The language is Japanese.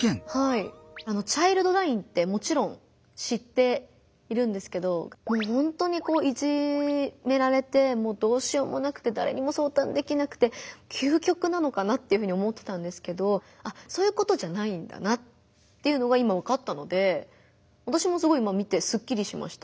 チャイルドラインってもちろん知っているんですけどもう本当にいじめられてもうどうしようもなくてだれにも相談できなくて究極なのかなって思ってたんですけどそういうことじゃないんだなっていうのが今わかったので私もすごい今見てすっきりしました。